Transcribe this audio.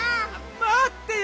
まってよ！